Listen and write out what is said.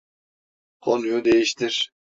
Konuyu değiştir.